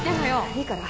いいから。